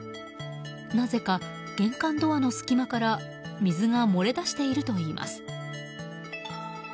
なぜか、玄関ドアの隙間から水が漏れ出しているといいます。